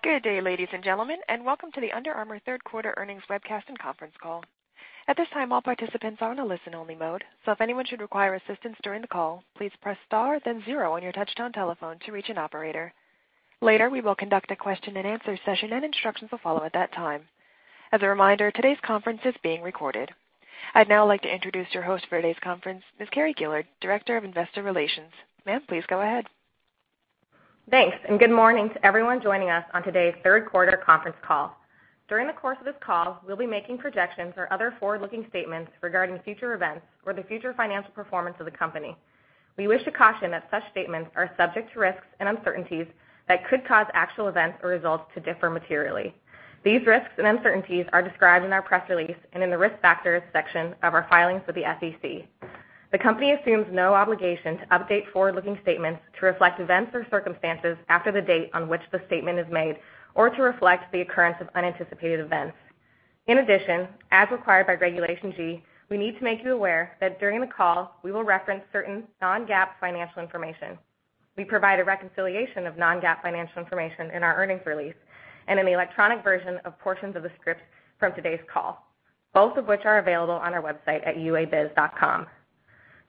Good day, ladies and gentlemen, welcome to the Under Armour third quarter earnings webcast and conference call. At this time, all participants are in a listen-only mode. If anyone should require assistance during the call, please press star then zero on your touch-tone telephone to reach an operator. Later, we will conduct a question and answer session. Instructions will follow at that time. As a reminder, today's conference is being recorded. I'd now like to introduce your host for today's conference, Ms. Carrie Gillard, Director of Investor Relations. Ma'am, please go ahead. Thanks. Good morning to everyone joining us on today's third quarter conference call. During the course of this call, we'll be making projections or other forward-looking statements regarding future events or the future financial performance of the company. We wish to caution that such statements are subject to risks and uncertainties that could cause actual events or results to differ materially. These risks and uncertainties are described in our press release and in the Risk Factors section of our filings with the SEC. The company assumes no obligation to update forward-looking statements to reflect events or circumstances after the date on which the statement is made or to reflect the occurrence of unanticipated events. In addition, as required by Regulation G, we need to make you aware that during the call we will reference certain non-GAAP financial information. We provide a reconciliation of non-GAAP financial information in our earnings release and in the electronic version of portions of the script from today's call, both of which are available on our website at uabiz.com.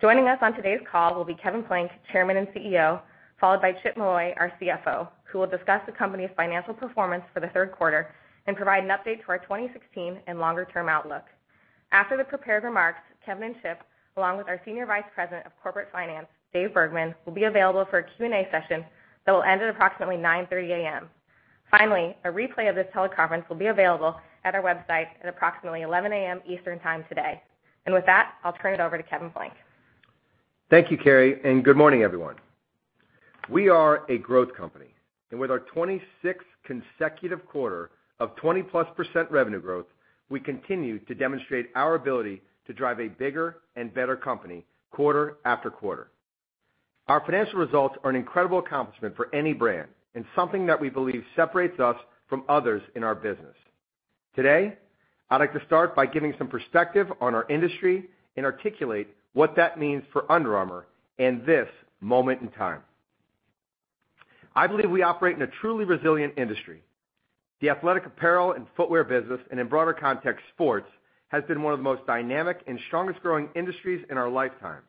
Joining us on today's call will be Kevin Plank, Chairman and CEO, followed by Chip Molloy, our CFO, who will discuss the company's financial performance for the third quarter and provide an update to our 2016 and longer-term outlook. After the prepared remarks, Kevin and Chip, along with our Senior Vice President of Corporate Finance, Dave Bergman, will be available for a Q&A session that will end at approximately 9:30 A.M. Finally, a replay of this teleconference will be available at our website at approximately 11:00 A.M. Eastern Time today. With that, I'll turn it over to Kevin Plank. Thank you, Carrie. Good morning, everyone. We are a growth company, with our 26th consecutive quarter of 20-plus% revenue growth, we continue to demonstrate our ability to drive a bigger and better company quarter after quarter. Our financial results are an incredible accomplishment for any brand and something that we believe separates us from others in our business. Today, I'd like to start by giving some perspective on our industry and articulate what that means for Under Armour in this moment in time. I believe we operate in a truly resilient industry. The athletic apparel and footwear business, and in broader context, sports, has been one of the most dynamic and strongest growing industries in our lifetime.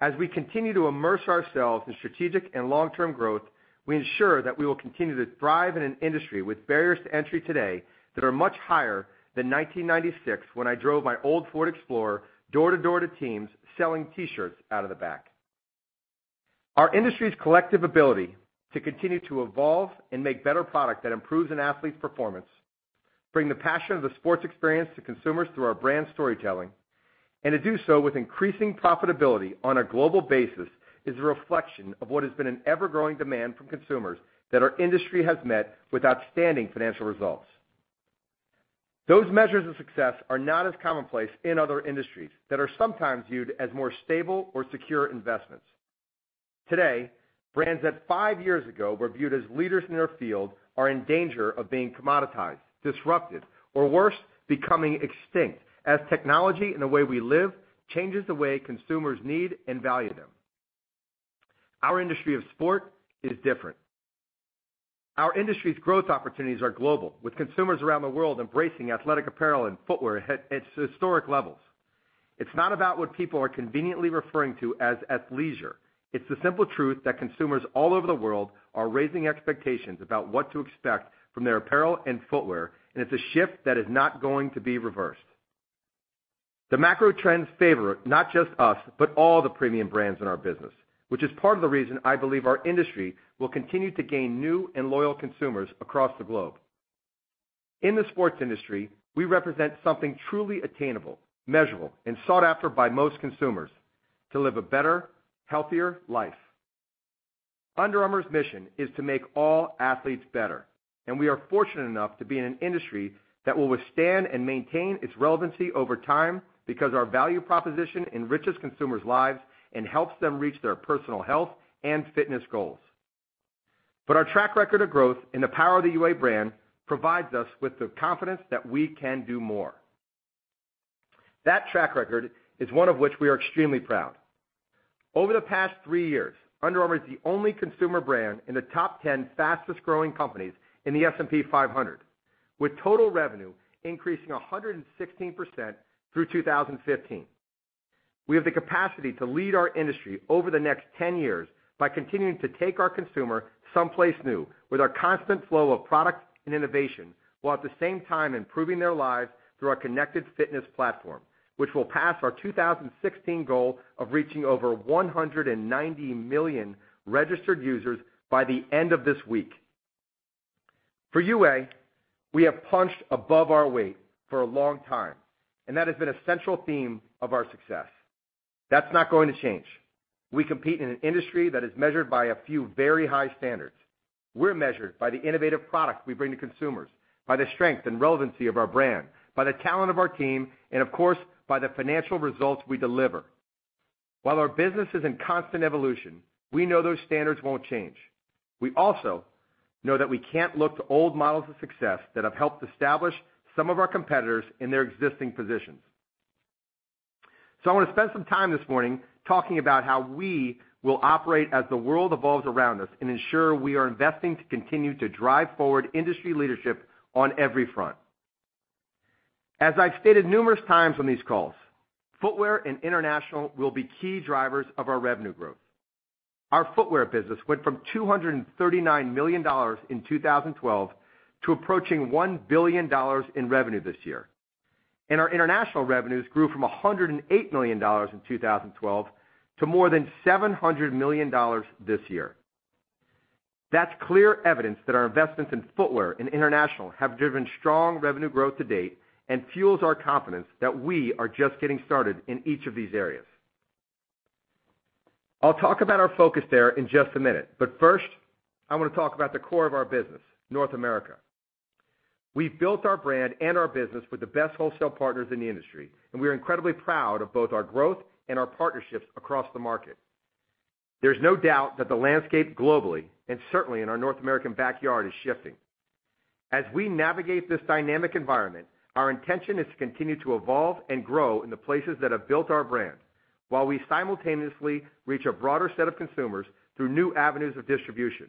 As we continue to immerse ourselves in strategic and long-term growth, we ensure that we will continue to thrive in an industry with barriers to entry today that are much higher than 1996 when I drove my old Ford Explorer door to door to teams selling T-shirts out of the back. Our industry's collective ability to continue to evolve and make better product that improves an athlete's performance, bring the passion of the sports experience to consumers through our brand storytelling, and to do so with increasing profitability on a global basis, is a reflection of what has been an ever-growing demand from consumers that our industry has met with outstanding financial results. Those measures of success are not as commonplace in other industries that are sometimes viewed as more stable or secure investments. Today, brands that five years ago were viewed as leaders in their field are in danger of being commoditized, disrupted, or worse, becoming extinct as technology and the way we live changes the way consumers need and value them. Our industry of sport is different. Our industry's growth opportunities are global, with consumers around the world embracing athletic apparel and footwear at historic levels. It's not about what people are conveniently referring to as athleisure. It's the simple truth that consumers all over the world are raising expectations about what to expect from their apparel and footwear, and it's a shift that is not going to be reversed. The macro trends favor not just us, but all the premium brands in our business, which is part of the reason I believe our industry will continue to gain new and loyal consumers across the globe. In the sports industry, we represent something truly attainable, measurable, and sought after by most consumers: to live a better, healthier life. Under Armour's mission is to make all athletes better, and we are fortunate enough to be in an industry that will withstand and maintain its relevancy over time because our value proposition enriches consumers' lives and helps them reach their personal health and fitness goals. Our track record of growth and the power of the UA brand provides us with the confidence that we can do more. That track record is one of which we are extremely proud. Over the past three years, Under Armour is the only consumer brand in the top 10 fastest-growing companies in the S&P 500, with total revenue increasing 116% through 2015. We have the capacity to lead our industry over the next 10 years by continuing to take our consumer someplace new with our constant flow of product and innovation while at the same time improving their lives through our Connected Fitness platform, which will pass our 2016 goal of reaching over 190 million registered users by the end of this week. For UA, we have punched above our weight for a long time, and that has been a central theme of our success. That's not going to change. We compete in an industry that is measured by a few very high standards. We're measured by the innovative products we bring to consumers, by the strength and relevancy of our brand, by the talent of our team, and of course, by the financial results we deliver. While our business is in constant evolution, we know those standards won't change. We also know that we can't look to old models of success that have helped establish some of our competitors in their existing positions. I want to spend some time this morning talking about how we will operate as the world evolves around us and ensure we are investing to continue to drive forward industry leadership on every front. As I've stated numerous times on these calls, footwear and international will be key drivers of our revenue growth. Our footwear business went from $239 million in 2012 to approaching $1 billion in revenue this year. Our international revenues grew from $108 million in 2012 to more than $700 million this year. That's clear evidence that our investments in footwear and international have driven strong revenue growth to date and fuels our confidence that we are just getting started in each of these areas. I'll talk about our focus there in just a minute, first, I want to talk about the core of our business, North America. We've built our brand and our business with the best wholesale partners in the industry, and we are incredibly proud of both our growth and our partnerships across the market. There's no doubt that the landscape globally, and certainly in our North American backyard, is shifting. As we navigate this dynamic environment, our intention is to continue to evolve and grow in the places that have built our brand while we simultaneously reach a broader set of consumers through new avenues of distribution.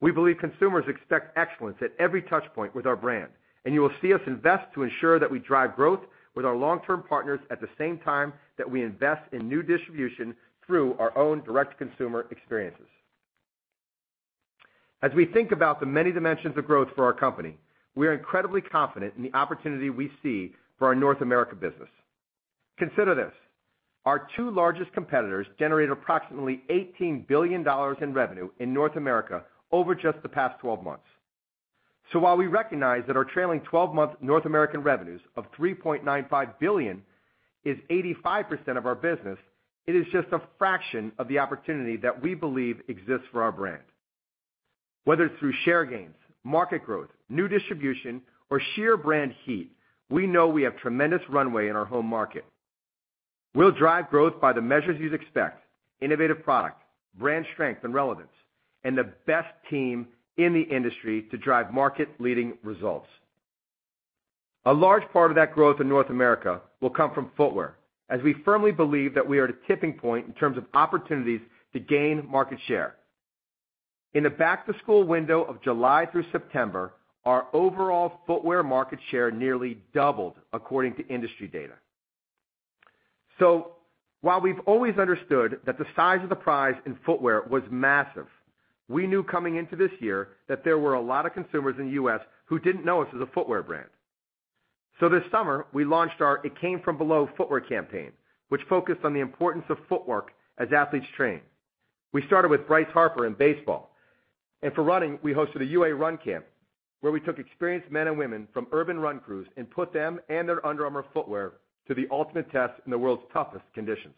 We believe consumers expect excellence at every touch point with our brand, and you will see us invest to ensure that we drive growth with our long-term partners at the same time that we invest in new distribution through our own direct consumer experiences. As we think about the many dimensions of growth for our company, we are incredibly confident in the opportunity we see for our North America business. Consider this, our two largest competitors generate approximately $18 billion in revenue in North America over just the past 12 months. While we recognize that our trailing 12-month North American revenues of $3.95 billion is 85% of our business, it is just a fraction of the opportunity that we believe exists for our brand. Whether through share gains, market growth, new distribution, or sheer brand heat, we know we have tremendous runway in our home market. We'll drive growth by the measures you'd expect, innovative product, brand strength and relevance, and the best team in the industry to drive market-leading results. A large part of that growth in North America will come from footwear, as we firmly believe that we are at a tipping point in terms of opportunities to gain market share. In the back-to-school window of July through September, our overall footwear market share nearly doubled according to industry data. While we've always understood that the size of the prize in footwear was massive, we knew coming into this year that there were a lot of consumers in the U.S. who didn't know us as a footwear brand. This summer, we launched our It Comes From Below footwear campaign, which focused on the importance of footwork as athletes train. We started with Bryce Harper in baseball. For running, we hosted a UA Run Camp, where we took experienced men and women from urban run crews and put them and their Under Armour footwear to the ultimate test in the world's toughest conditions.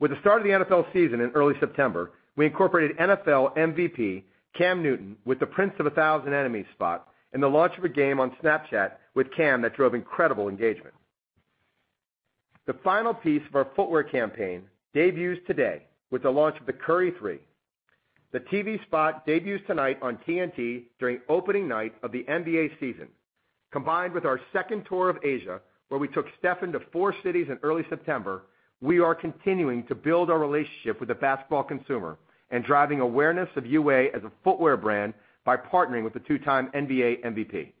With the start of the NFL season in early September, we incorporated NFL MVP Cam Newton with the Prince of a Thousand Enemies spot and the launch of a game on Snapchat with Cam that drove incredible engagement. The final piece of our footwear campaign debuts today with the launch of the Curry 3. The TV spot debuts tonight on TNT during opening night of the NBA season. Combined with our second tour of Asia, where we took Stephen to four cities in early September, we are continuing to build our relationship with the basketball consumer and driving awareness of UA as a footwear brand by partnering with the two-time NBA MVP.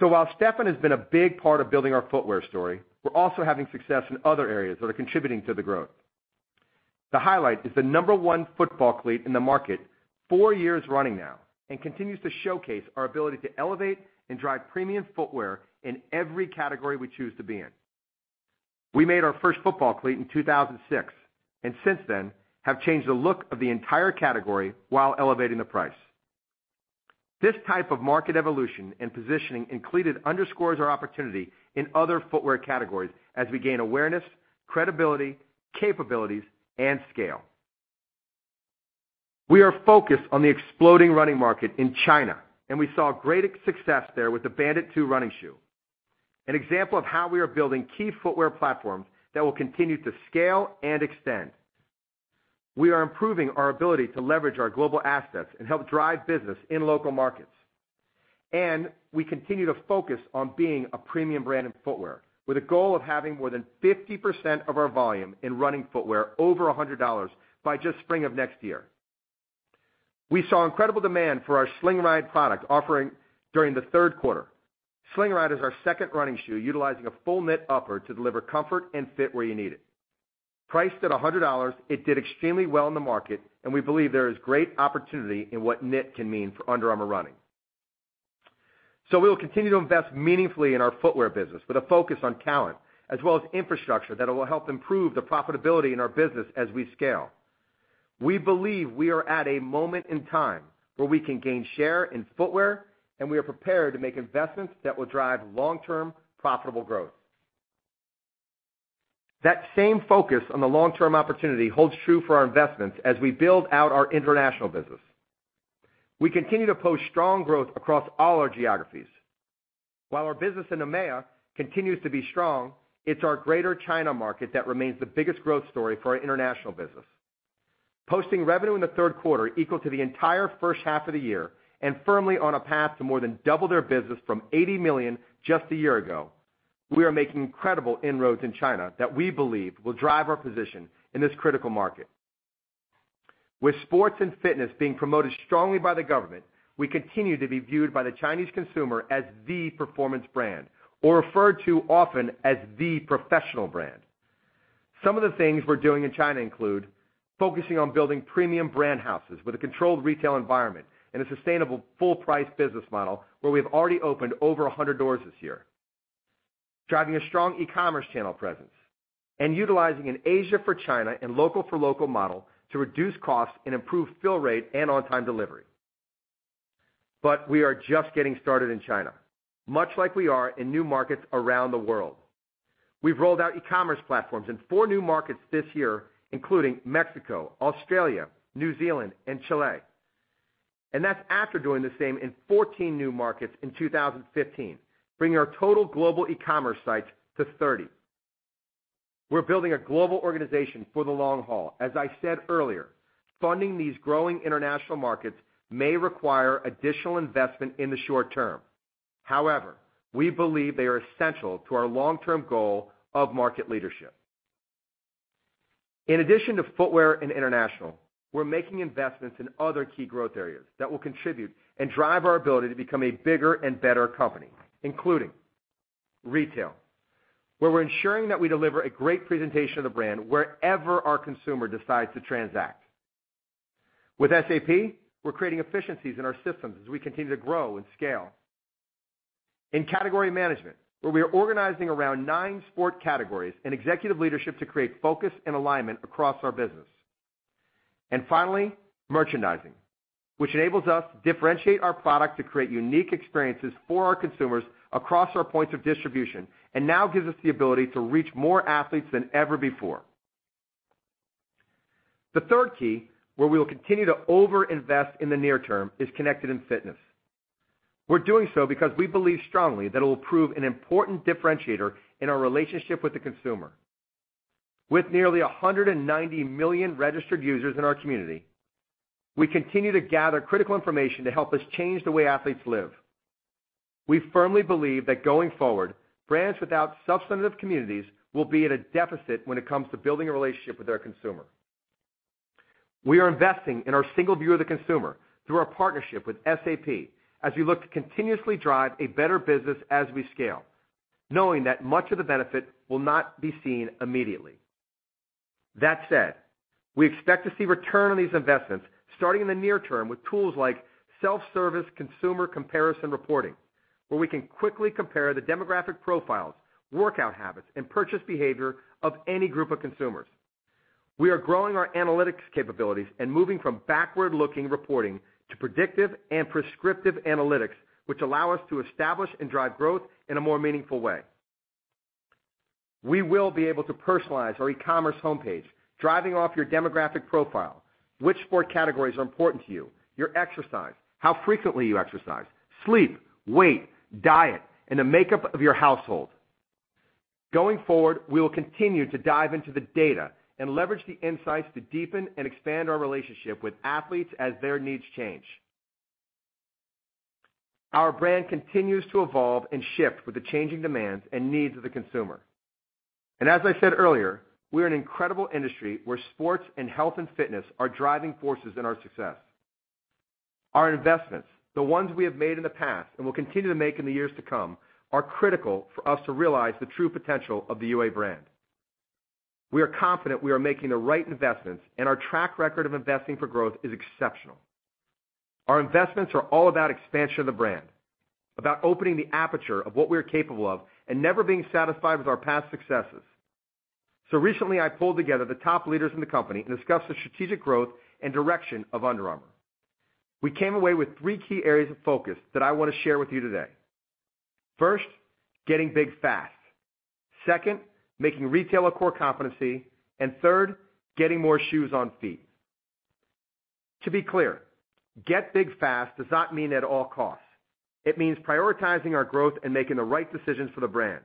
While Stephen has been a big part of building our footwear story, we are also having success in other areas that are contributing to the growth. The highlight is the number 1 football cleat in the market, four years running now, and continues to showcase our ability to elevate and drive premium footwear in every category we choose to be in. We made our first football cleat in 2006. Since then, have changed the look of the entire category while elevating the price. This type of market evolution and positioning in cleat underscores our opportunity in other footwear categories as we gain awareness, credibility, capabilities, and scale. We are focused on the exploding running market in China, and we saw great success there with the Bandit 2 running shoe. An example of how we are building key footwear platforms that will continue to scale and extend. We are improving our ability to leverage our global assets and help drive business in local markets. We continue to focus on being a premium brand in footwear with a goal of having more than 50% of our volume in running footwear over $100 by just spring of next year. We saw incredible demand for our Slingride product offering during the third quarter. Slingride is our second running shoe utilizing a full knit upper to deliver comfort and fit where you need it. Priced at $100, it did extremely well in the market. We believe there is great opportunity in what knit can mean for Under Armour running. We will continue to invest meaningfully in our footwear business with a focus on talent, as well as infrastructure that will help improve the profitability in our business as we scale. We believe we are at a moment in time where we can gain share in footwear. We are prepared to make investments that will drive long-term profitable growth. That same focus on the long-term opportunity holds true for our investments as we build out our international business. We continue to post strong growth across all our geographies. While our business in EMEA continues to be strong, it is our greater China market that remains the biggest growth story for our international business. Posting revenue in the third quarter equal to the entire first half of the year, firmly on a path to more than double their business from $80 million just a year ago. We are making incredible inroads in China that we believe will drive our position in this critical market. With sports and fitness being promoted strongly by the government, we continue to be viewed by the Chinese consumer as the performance brand, or referred to often as the professional brand. Some of the things we're doing in China include focusing on building premium Brand Houses with a controlled retail environment and a sustainable full-price business model, where we have already opened over 100 doors this year. Driving a strong e-commerce channel presence. Utilizing an Asia-for-China and local-for-local model to reduce costs and improve fill rate and on-time delivery. We are just getting started in China, much like we are in new markets around the world. We've rolled out e-commerce platforms in four new markets this year, including Mexico, Australia, New Zealand, and Chile. That's after doing the same in 14 new markets in 2015, bringing our total global e-commerce sites to 30. We're building a global organization for the long haul. As I said earlier, funding these growing international markets may require additional investment in the short term. However, we believe they are essential to our long-term goal of market leadership. In addition to footwear and international, we're making investments in other key growth areas that will contribute and drive our ability to become a bigger and better company, including retail, where we're ensuring that we deliver a great presentation of the brand wherever our consumer decides to transact. With SAP, we're creating efficiencies in our systems as we continue to grow and scale. In category management, where we are organizing around nine sport categories and executive leadership to create focus and alignment across our business. Finally, merchandising, which enables us to differentiate our product to create unique experiences for our consumers across our points of distribution, and now gives us the ability to reach more athletes than ever before. The third key, where we'll continue to overinvest in the near term, is Connected Fitness. We're doing so because we believe strongly that it will prove an important differentiator in our relationship with the consumer. With nearly 190 million registered users in our community, we continue to gather critical information to help us change the way athletes live. We firmly believe that going forward, brands without substantive communities will be at a deficit when it comes to building a relationship with their consumer. We are investing in our single view of the consumer through our partnership with SAP, as we look to continuously drive a better business as we scale, knowing that much of the benefit will not be seen immediately. That said, we expect to see return on these investments starting in the near term with tools like self-service consumer comparison reporting, where we can quickly compare the demographic profiles, workout habits, and purchase behavior of any group of consumers. We are growing our analytics capabilities and moving from backward-looking reporting to predictive and prescriptive analytics, which allow us to establish and drive growth in a more meaningful way. We will be able to personalize our e-commerce homepage, driving off your demographic profile, which sport categories are important to you, your exercise, how frequently you exercise, sleep, weight, diet, and the makeup of your household. Going forward, we will continue to dive into the data and leverage the insights to deepen and expand our relationship with athletes as their needs change. Our brand continues to evolve and shift with the changing demands and needs of the consumer. As I said earlier, we are an incredible industry where sports and health and fitness are driving forces in our success. Our investments, the ones we have made in the past and will continue to make in the years to come, are critical for us to realize the true potential of the UA brand. We are confident we are making the right investments, and our track record of investing for growth is exceptional. Our investments are all about expansion of the brand, about opening the aperture of what we're capable of, and never being satisfied with our past successes. Recently, I pulled together the top leaders in the company and discussed the strategic growth and direction of Under Armour. We came away with three key areas of focus that I want to share with you today. First, getting big fast. Second, making retail a core competency. Third, getting more shoes on feet. To be clear, get big fast does not mean at all costs. It means prioritizing our growth and making the right decisions for the brand.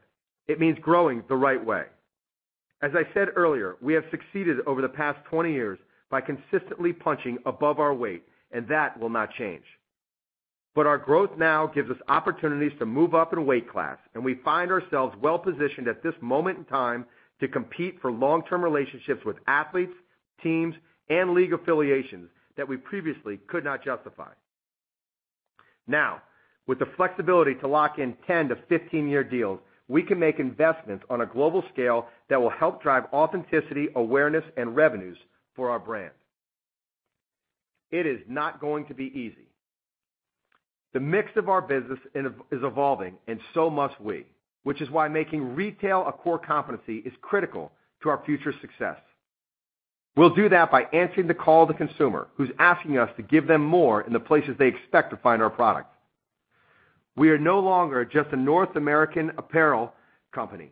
It means growing the right way. As I said earlier, we have succeeded over the past 20 years by consistently punching above our weight, and that will not change. Our growth now gives us opportunities to move up in weight class, and we find ourselves well-positioned at this moment in time to compete for long-term relationships with athletes, teams, and league affiliations that we previously could not justify. Now, with the flexibility to lock in 10- to 15-year deals, we can make investments on a global scale that will help drive authenticity, awareness, and revenues for our brand. It is not going to be easy. The mix of our business is evolving and so must we, which is why making retail a core competency is critical to our future success. We'll do that by answering the call of the consumer, who's asking us to give them more in the places they expect to find our product. We are no longer just a North American apparel company.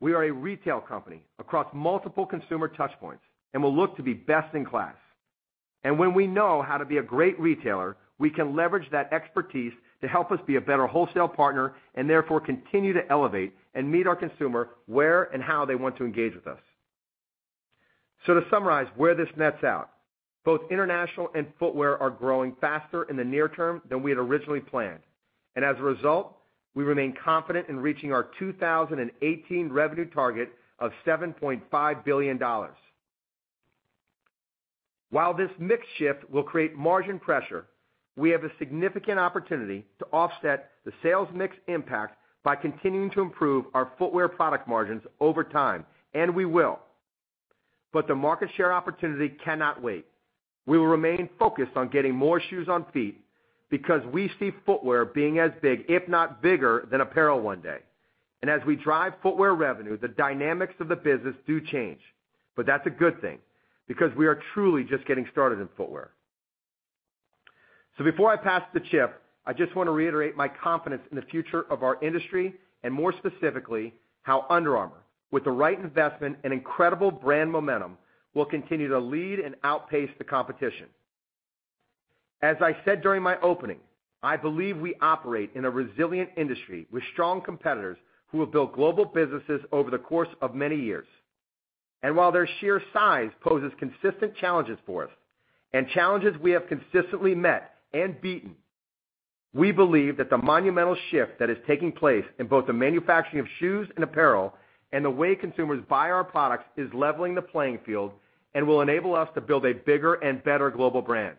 We are a retail company across multiple consumer touchpoints and will look to be best in class. When we know how to be a great retailer, we can leverage that expertise to help us be a better wholesale partner, and therefore continue to elevate and meet our consumer where and how they want to engage with us. To summarize where this nets out, both international and footwear are growing faster in the near term than we had originally planned. As a result, we remain confident in reaching our 2018 revenue target of $7.5 billion. While this mix shift will create margin pressure, we have a significant opportunity to offset the sales mix impact by continuing to improve our footwear product margins over time, and we will. The market share opportunity cannot wait. We will remain focused on getting more shoes on feet because we see footwear being as big, if not bigger, than apparel one day. As we drive footwear revenue, the dynamics of the business do change. That's a good thing, because we are truly just getting started in footwear. Before I pass to Chip, I just want to reiterate my confidence in the future of our industry, and more specifically, how Under Armour, with the right investment and incredible brand momentum, will continue to lead and outpace the competition. As I said during my opening, I believe we operate in a resilient industry with strong competitors who have built global businesses over the course of many years. While their sheer size poses consistent challenges for us, and challenges we have consistently met and beaten, we believe that the monumental shift that is taking place in both the manufacturing of shoes and apparel and the way consumers buy our products is leveling the playing field and will enable us to build a bigger and better global brand.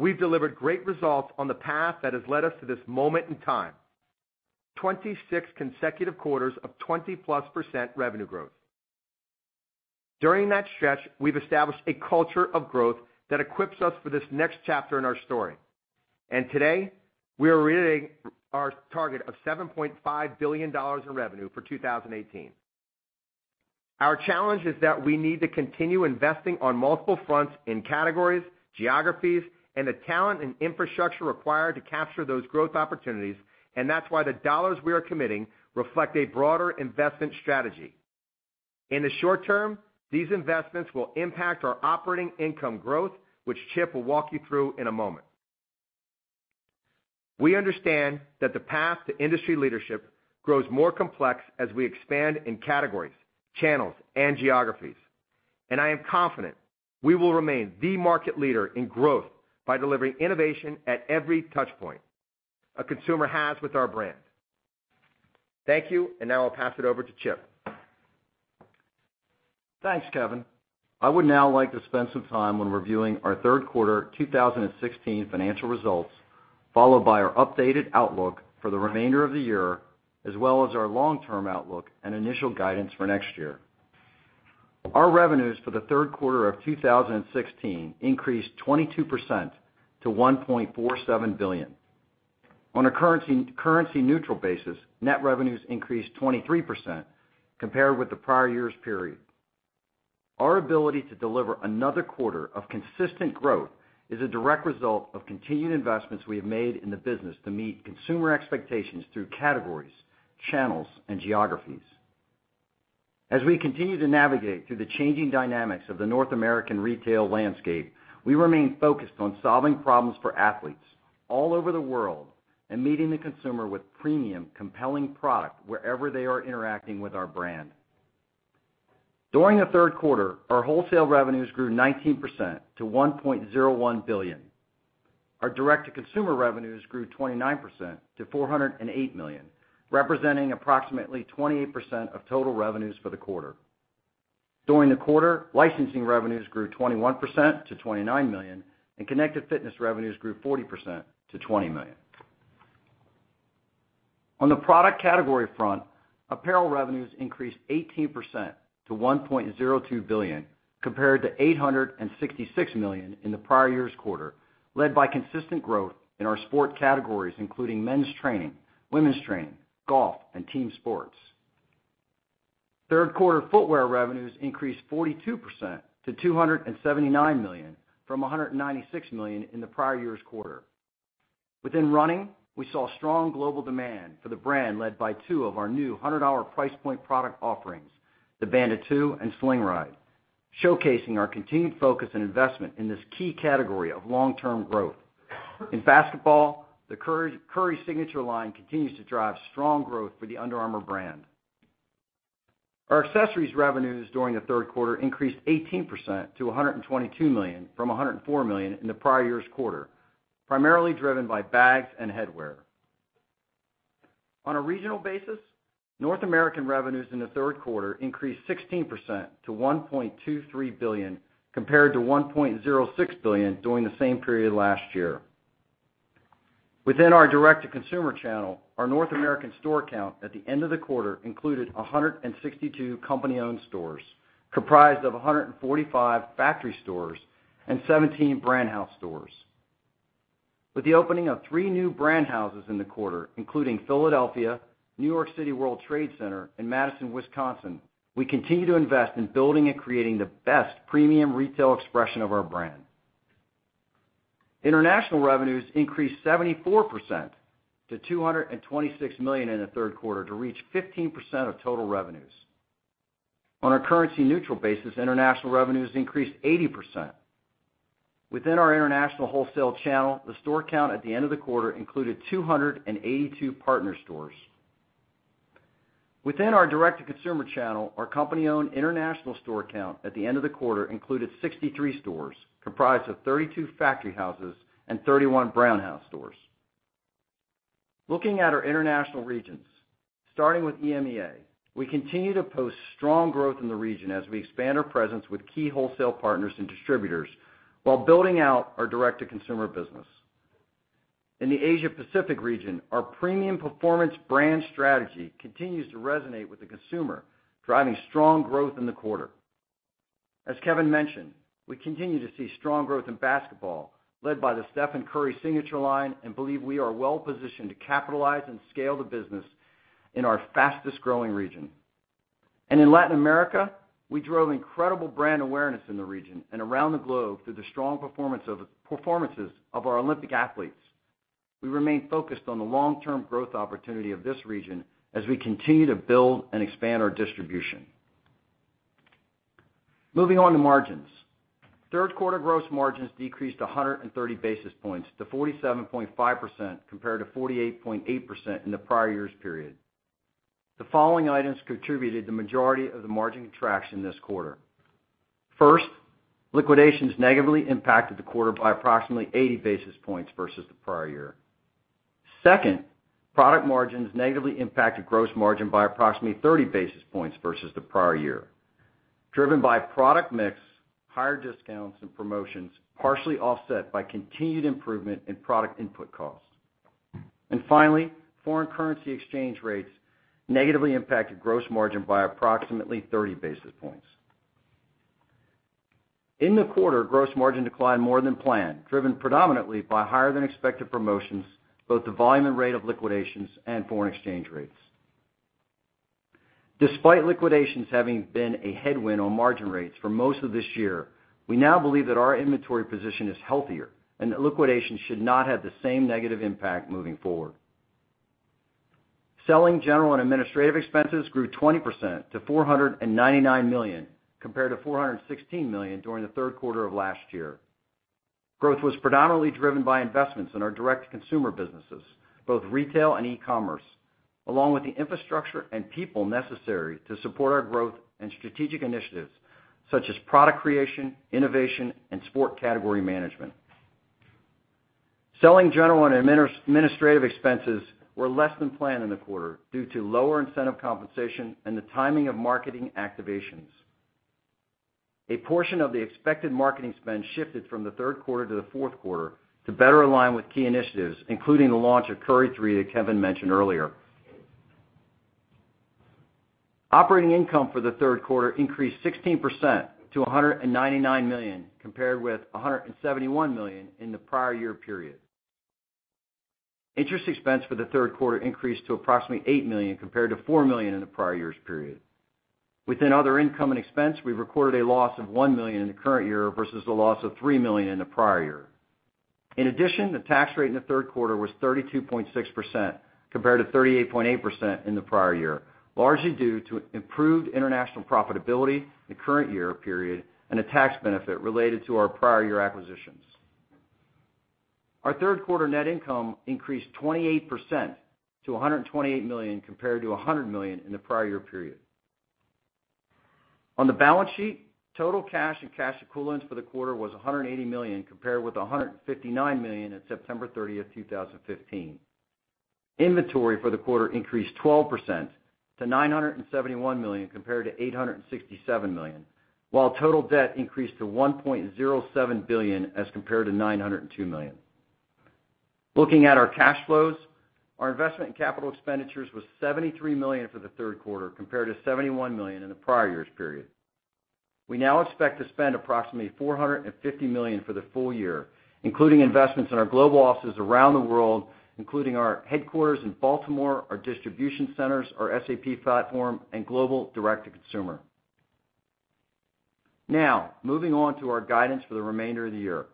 We've delivered great results on the path that has led us to this moment in time, 26 consecutive quarters of 20-plus % revenue growth. During that stretch, we've established a culture of growth that equips us for this next chapter in our story. Today, we are reiterating our target of $7.5 billion in revenue for 2018. Our challenge is that we need to continue investing on multiple fronts in categories, geographies, and the talent and infrastructure required to capture those growth opportunities. That's why the dollars we are committing reflect a broader investment strategy. In the short term, these investments will impact our operating income growth, which Chip will walk you through in a moment. We understand that the path to industry leadership grows more complex as we expand in categories, channels, and geographies. I am confident we will remain the market leader in growth by delivering innovation at every touch point a consumer has with our brand. Thank you. Now I'll pass it over to Chip. Thanks, Kevin. I would now like to spend some time on reviewing our third quarter 2016 financial results, followed by our updated outlook for the remainder of the year, as well as our long-term outlook and initial guidance for next year. Our revenues for the third quarter of 2016 increased 22% to $1.47 billion. On a currency-neutral basis, net revenues increased 23% compared with the prior year's period. Our ability to deliver another quarter of consistent growth is a direct result of continued investments we have made in the business to meet consumer expectations through categories, channels, and geographies. As we continue to navigate through the changing dynamics of the North American retail landscape, we remain focused on solving problems for athletes all over the world and meeting the consumer with premium, compelling product wherever they are interacting with our brand. During the third quarter, our wholesale revenues grew 19% to $1.01 billion. Our direct-to-consumer revenues grew 29% to $408 million, representing approximately 28% of total revenues for the quarter. During the quarter, licensing revenues grew 21% to $29 million, and Connected Fitness revenues grew 40% to $20 million. On the product category front, apparel revenues increased 18% to $1.02 billion, compared to $866 million in the prior year's quarter, led by consistent growth in our sport categories, including men's training, women's training, golf, and team sports. Third quarter footwear revenues increased 42% to $279 million from $196 million in the prior year's quarter. Within running, we saw strong global demand for the brand, led by two of our new $100 price point product offerings, the Bandit 2 and Slingride, showcasing our continued focus and investment in this key category of long-term growth. In basketball, the Curry signature line continues to drive strong growth for the Under Armour brand. Our accessories revenues during the third quarter increased 18% to $122 million from $104 million in the prior year's quarter, primarily driven by bags and headwear. On a regional basis, North American revenues in the third quarter increased 16% to $1.23 billion, compared to $1.06 billion during the same period last year. Within our direct-to-consumer channel, our North American store count at the end of the quarter included 162 company-owned stores, comprised of 145 factory stores and 17 Brand House stores. With the opening of three new Brand Houses in the quarter, including Philadelphia, New York City World Trade Center, and Madison, Wisconsin, we continue to invest in building and creating the best premium retail expression of our brand. International revenues increased 74% to $226 million in the third quarter to reach 15% of total revenues. On a currency neutral basis, international revenues increased 80%. Within our international wholesale channel, the store count at the end of the quarter included 282 partner stores. Within our direct-to-consumer channel, our company-owned international store count at the end of the quarter included 63 stores, comprised of 32 Factory Houses and 31 Brand House stores. Looking at our international regions, starting with EMEA, we continue to post strong growth in the region as we expand our presence with key wholesale partners and distributors, while building out our direct-to-consumer business. In the Asia Pacific region, our premium performance brand strategy continues to resonate with the consumer, driving strong growth in the quarter. As Kevin mentioned, we continue to see strong growth in basketball, led by the Stephen Curry signature line, and believe we are well-positioned to capitalize and scale the business in our fastest-growing region. In Latin America, we drove incredible brand awareness in the region and around the globe through the strong performances of our Olympic athletes. We remain focused on the long-term growth opportunity of this region as we continue to build and expand our distribution. Moving on to margins. Third quarter gross margins decreased 130 basis points to 47.5%, compared to 48.8% in the prior year's period. The following items contributed the majority of the margin contraction this quarter. First, liquidations negatively impacted the quarter by approximately 80 basis points versus the prior year. Second, product margins negatively impacted gross margin by approximately 30 basis points versus the prior year, driven by product mix, higher discounts, and promotions, partially offset by continued improvement in product input costs. Finally, foreign currency exchange rates negatively impacted gross margin by approximately 30 basis points. In the quarter, gross margin declined more than planned, driven predominantly by higher-than-expected promotions to both the volume and rate of liquidations and foreign exchange rates. Despite liquidations having been a headwind on margin rates for most of this year, we now believe that our inventory position is healthier, and that liquidations should not have the same negative impact moving forward. Selling, general, and administrative expenses grew 20% to $499 million, compared to $416 million during the third quarter of last year. Growth was predominantly driven by investments in our direct-to-consumer businesses, both retail and e-commerce, along with the infrastructure and people necessary to support our growth and strategic initiatives such as product creation, innovation, and sport category management. Selling, general, and administrative expenses were less than planned in the quarter due to lower incentive compensation and the timing of marketing activations. A portion of the expected marketing spend shifted from the third quarter to the fourth quarter to better align with key initiatives, including the launch of Curry 3 that Kevin mentioned earlier. Operating income for the third quarter increased 16% to $199 million, compared with $171 million in the prior year period. Interest expense for the third quarter increased to approximately $8 million, compared to $4 million in the prior year's period. Within other income and expense, we recorded a loss of $1 million in the current year versus a loss of $3 million in the prior year. In addition, the tax rate in the third quarter was 32.6%, compared to 38.8% in the prior year, largely due to improved international profitability in the current year period and a tax benefit related to our prior year acquisitions. Our third quarter net income increased 28% to $128 million compared to $100 million in the prior year period. On the balance sheet, total cash and cash equivalents for the quarter was $180 million, compared with $159 million on September 30th, 2015. Inventory for the quarter increased 12% to $971 million compared to $867 million, while total debt increased to $1.07 billion as compared to $902 million. Looking at our cash flows, our investment in capital expenditures was $73 million for the third quarter compared to $71 million in the prior year's period. We now expect to spend approximately $450 million for the full year, including investments in our global offices around the world, including our headquarters in Baltimore, our distribution centers, our SAP platform, and global direct-to-consumer. Moving on to our guidance for the remainder of the year.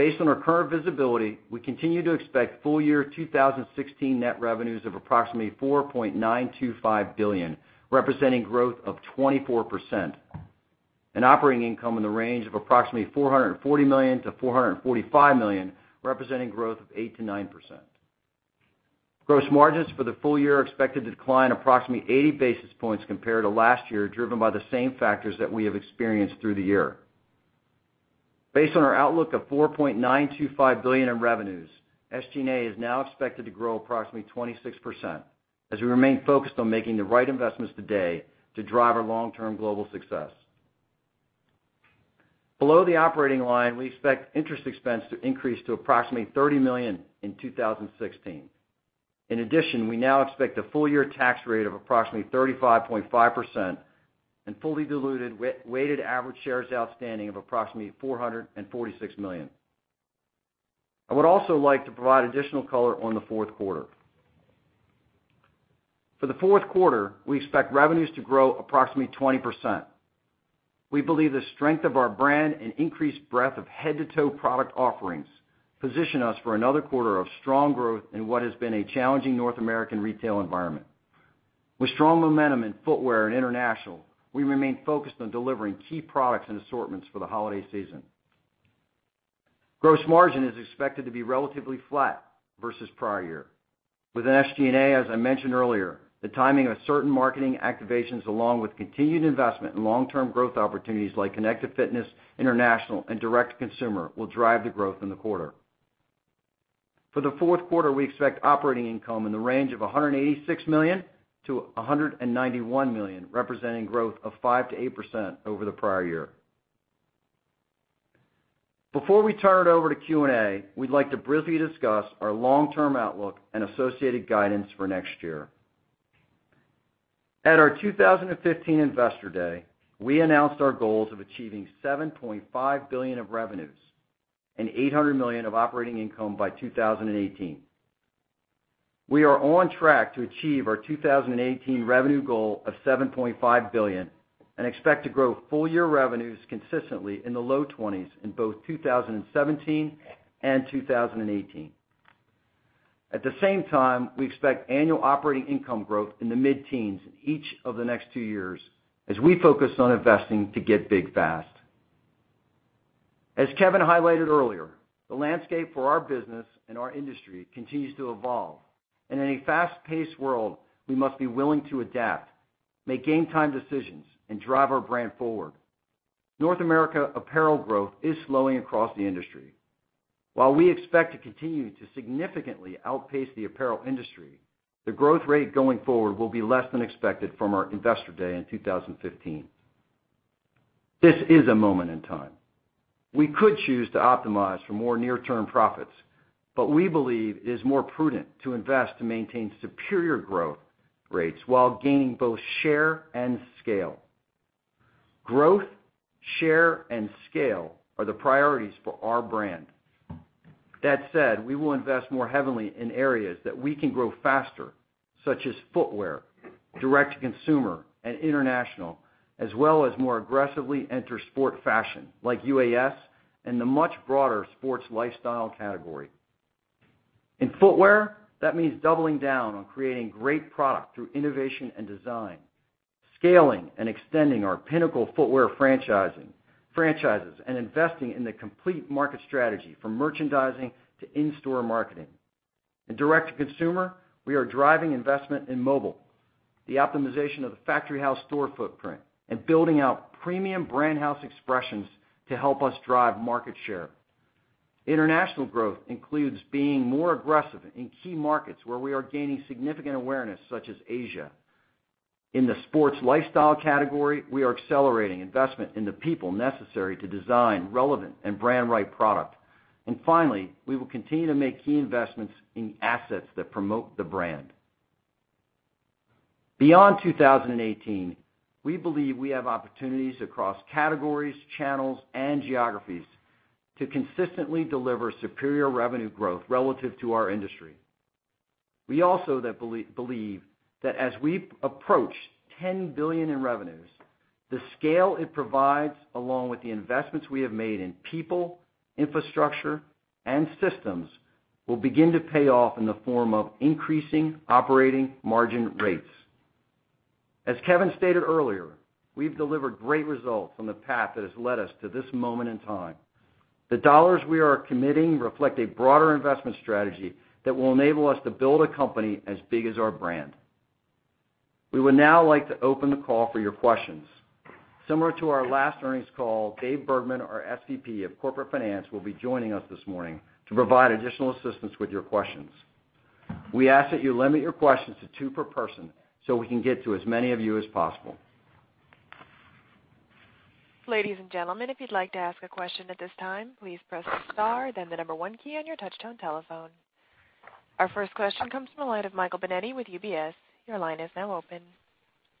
Based on our current visibility, we continue to expect full-year 2016 net revenues of approximately $4.925 billion, representing growth of 24%, and operating income in the range of approximately $440 million-$445 million, representing growth of 8%-9%. Gross margins for the full year are expected to decline approximately 80 basis points compared to last year, driven by the same factors that we have experienced through the year. Based on our outlook of $4.925 billion in revenues, SG&A is now expected to grow approximately 26%, as we remain focused on making the right investments today to drive our long-term global success. Below the operating line, we expect interest expense to increase to approximately $30 million in 2016. In addition, we now expect a full-year tax rate of approximately 35.5% and fully diluted weighted average shares outstanding of approximately 446 million. I would also like to provide additional color on the fourth quarter. For the fourth quarter, we expect revenues to grow approximately 20%. We believe the strength of our brand and increased breadth of head-to-toe product offerings position us for another quarter of strong growth in what has been a challenging North American retail environment. With strong momentum in footwear and international, we remain focused on delivering key products and assortments for the holiday season. Gross margin is expected to be relatively flat versus prior year. With SG&A, as I mentioned earlier, the timing of certain marketing activations along with continued investment in long-term growth opportunities like Connected Fitness, international, and direct-to-consumer will drive the growth in the quarter. For the fourth quarter, we expect operating income in the range of $186 million-$191 million, representing growth of 5%-8% over the prior year. Before we turn it over to Q&A, we would like to briefly discuss our long-term outlook and associated guidance for next year. At our 2015 Investor Day, we announced our goals of achieving $7.5 billion of revenues and $800 million of operating income by 2018. We are on track to achieve our 2018 revenue goal of $7.5 billion and expect to grow full-year revenues consistently in the low twenties in both 2017 and 2018. At the same time, we expect annual operating income growth in the mid-teens in each of the next two years, as we focus on investing to get big fast. As Kevin highlighted earlier, the landscape for our business and our industry continues to evolve. In a fast-paced world, we must be willing to adapt, make game time decisions, and drive our brand forward. North America apparel growth is slowing across the industry. While we expect to continue to significantly outpace the apparel industry, the growth rate going forward will be less than expected from our Investor Day in 2015. This is a moment in time. We could choose to optimize for more near-term profits, but we believe it is more prudent to invest to maintain superior growth rates while gaining both share and scale. Growth, share, and scale are the priorities for our brand. That said, we will invest more heavily in areas that we can grow faster, such as footwear, direct-to-consumer, and international, as well as more aggressively enter sport fashion, like UAS and the much broader sports lifestyle category. In footwear, that means doubling down on creating great product through innovation and design, scaling and extending our pinnacle footwear franchises, and investing in the complete market strategy, from merchandising to in-store marketing. In direct-to-consumer, we are driving investment in mobile, the optimization of the Factory House store footprint, and building out premium Brand House expressions to help us drive market share. International growth includes being more aggressive in key markets where we are gaining significant awareness, such as Asia. In the sports lifestyle category, we are accelerating investment in the people necessary to design relevant and brand right product. Finally, we will continue to make key investments in the assets that promote the brand. Beyond 2018, we believe we have opportunities across categories, channels, and geographies to consistently deliver superior revenue growth relative to our industry. We also believe that as we approach $10 billion in revenues, the scale it provides, along with the investments we have made in people, infrastructure, and systems, will begin to pay off in the form of increasing operating margin rates. As Kevin stated earlier, we've delivered great results on the path that has led us to this moment in time. The dollars we are committing reflect a broader investment strategy that will enable us to build a company as big as our brand. We would now like to open the call for your questions. Similar to our last earnings call, Dave Bergman, our Senior Vice President of Corporate Finance, will be joining us this morning to provide additional assistance with your questions. We ask that you limit your questions to two per person so we can get to as many of you as possible. Ladies and gentlemen, if you'd like to ask a question at this time, please press star, then the number one key on your touch-tone telephone. Our first question comes from the line of Michael Binetti with UBS. Your line is now open.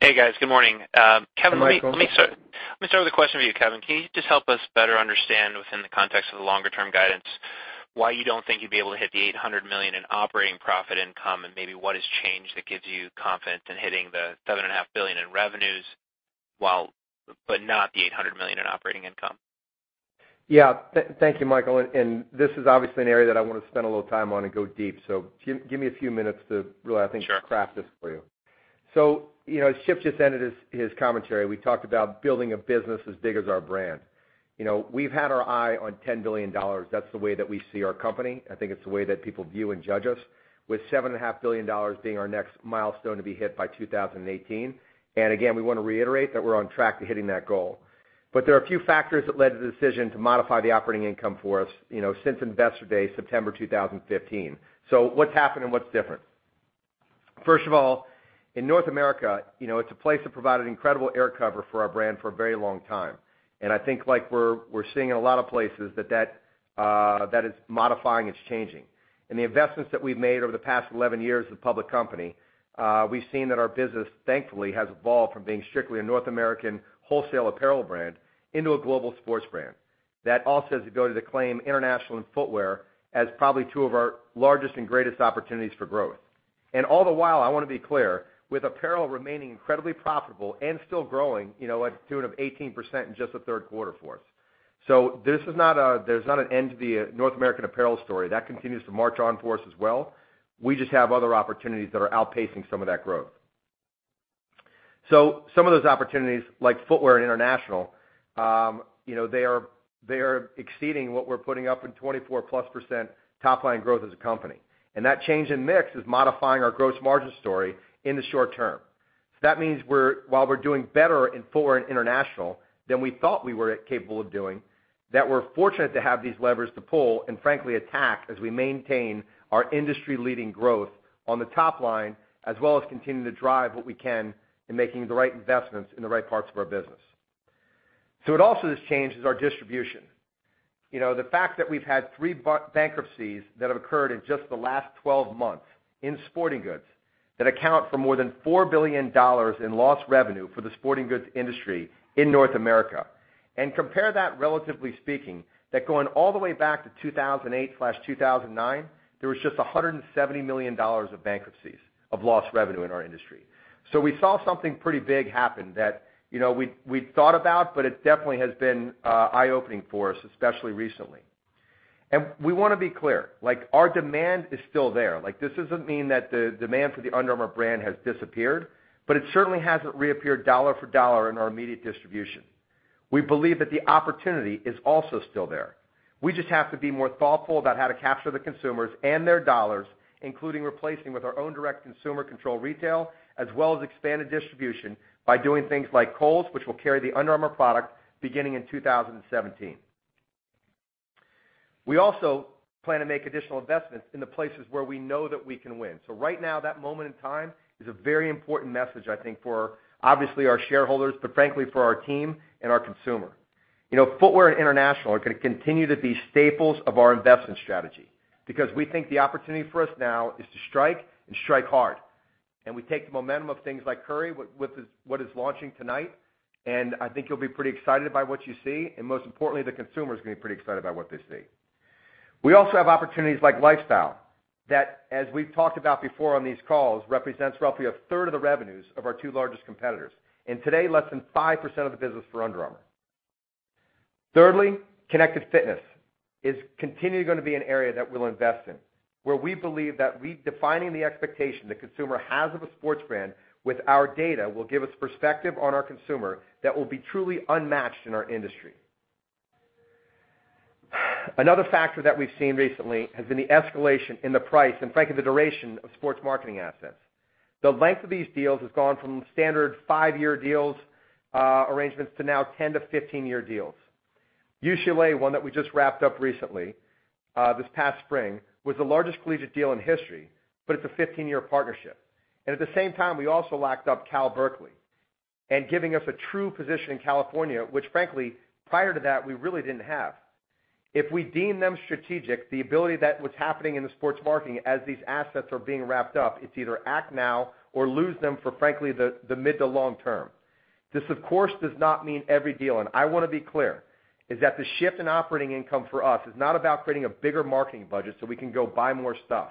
Hey, guys. Good morning. Hi, Michael. Kevin, let me start with a question for you. Kevin, can you just help us better understand within the context of the longer-term guidance why you don't think you'd be able to hit the $800 million in operating profit income, and maybe what has changed that gives you confidence in hitting the $7.5 billion in revenues, but not the $800 million in operating income? Yeah. Thank you, Michael. This is obviously an area that I want to spend a little time on and go deep. Give me a few minutes to really. Sure craft this for you. As Chip just ended his commentary, we talked about building a business as big as our brand. We've had our eye on $10 billion. That's the way that we see our company. I think it's the way that people view and judge us, with $7.5 billion being our next milestone to be hit by 2018. Again, we want to reiterate that we're on track to hitting that goal. There are a few factors that led to the decision to modify the operating income for us since Investor Day, September 2015. What's happened and what's different? First of all, in North America, it's a place that provided incredible air cover for our brand for a very long time. I think like we're seeing in a lot of places, that is modifying, it's changing. The investments that we've made over the past 11 years as a public company, we've seen that our business, thankfully, has evolved from being strictly a North American wholesale apparel brand into a global sports brand. That all says to go to the claim international and footwear as probably two of our largest and greatest opportunities for growth. All the while, I want to be clear, with apparel remaining incredibly profitable and still growing at the tune of 18% in just the third quarter for us. There's not an end to the North American apparel story. That continues to march on for us as well. We just have other opportunities that are outpacing some of that growth. Some of those opportunities, like footwear and international, they are exceeding what we're putting up in 24-plus % top-line growth as a company. That change in mix is modifying our gross margin story in the short term. That means while we're doing better in footwear and international than we thought we were capable of doing, that we're fortunate to have these levers to pull and frankly attack as we maintain our industry-leading growth on the top line, as well as continue to drive what we can in making the right investments in the right parts of our business. What also has changed is our distribution. The fact that we've had 3 bankruptcies that have occurred in just the last 12 months in sporting goods, that account for more than $4 billion in lost revenue for the sporting goods industry in North America. Compare that, relatively speaking, that going all the way back to 2008/2009, there was just $170 million of bankruptcies of lost revenue in our industry. We saw something pretty big happen that we'd thought about, but it definitely has been eye-opening for us, especially recently. We want to be clear, our demand is still there. This doesn't mean that the demand for the Under Armour brand has disappeared, but it certainly hasn't reappeared dollar for dollar in our immediate distribution. We believe that the opportunity is also still there. We just have to be more thoughtful about how to capture the consumers and their dollars, including replacing with our own direct consumer control retail, as well as expanded distribution by doing things like Kohl's, which will carry the Under Armour product beginning in 2017. We also plan to make additional investments in the places where we know that we can win. Right now, that moment in time is a very important message, I think, for obviously our shareholders, but frankly for our team and our consumer. Footwear and international are going to continue to be staples of our investment strategy because we think the opportunity for us now is to strike and strike hard. We take the momentum of things like Curry, what is launching tonight, and I think you'll be pretty excited by what you see, and most importantly, the consumer's going to be pretty excited by what they see. We also have opportunities like lifestyle, that, as we've talked about before on these calls, represents roughly a third of the revenues of our two largest competitors, and today less than 5% of the business for Under Armour. Thirdly, Connected Fitness is continually going to be an area that we'll invest in, where we believe that redefining the expectation the consumer has of a sports brand with our data will give us perspective on our consumer that will be truly unmatched in our industry. Another factor that we've seen recently has been the escalation in the price and, frankly, the duration of sports marketing assets. The length of these deals has gone from standard five-year deals arrangements to now 7-15-year deals. UCLA, one that we just wrapped up recently this past spring, was the largest collegiate deal in history, but it's a 15-year partnership. At the same time, we also locked up UC Berkeley and giving us a true position in California, which frankly, prior to that, we really didn't have. If we deem them strategic, the ability that what's happening in the sports marketing as these assets are being wrapped up, it's either act now or lose them for, frankly, the mid to long term. This, of course, does not mean every deal. I want to be clear, is that the shift in operating income for us is not about creating a bigger marketing budget so we can go buy more stuff.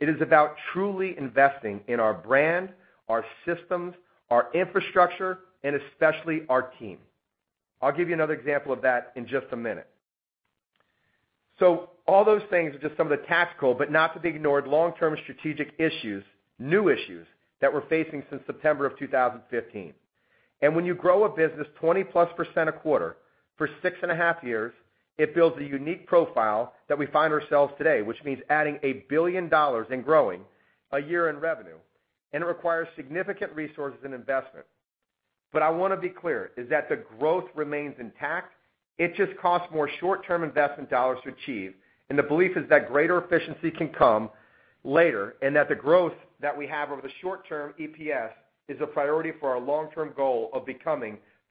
It is about truly investing in our brand, our systems, our infrastructure, and especially our team. I'll give you another example of that in just a minute. All those things are just some of the tactical, but not to be ignored, long-term strategic issues, new issues, that we're facing since September of 2015. When you grow a business 20-plus% a quarter for six and a half years, it builds a unique profile that we find ourselves today, which means adding $1 billion and growing a year in revenue, and it requires significant resources and investment. I want to be clear, is that the growth remains intact. It just costs more short-term investment dollars to achieve, and the belief is that greater efficiency can come later, and that the growth that we have over the short term, EPS, is a priority for our long-term goal of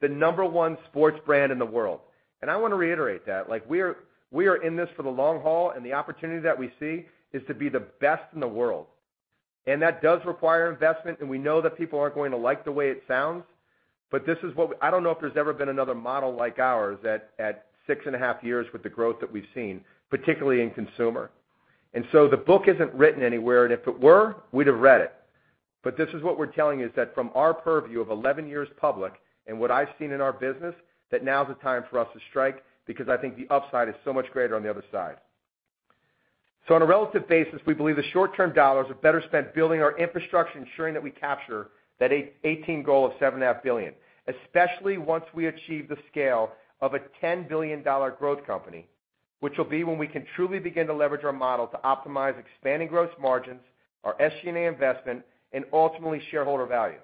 becoming the number one sports brand in the world. I want to reiterate that. We are in this for the long haul, and the opportunity that we see is to be the best in the world. That does require investment. We know that people aren't going to like the way it sounds. I don't know if there's ever been another model like ours at 6 and a half years with the growth that we've seen, particularly in consumer. The book isn't written anywhere, and if it were, we'd have read it. This is what we're telling you, is that from our purview of 11 years public and what I've seen in our business, that now's the time for us to strike because I think the upside is so much greater on the other side. On a relative basis, we believe the short-term dollars are better spent building our infrastructure, ensuring that we capture that 2018 goal of $7.5 billion, especially once we achieve the scale of a $10 billion growth company, which will be when we can truly begin to leverage our model to optimize expanding gross margins, our SG&A investment, and ultimately shareholder value.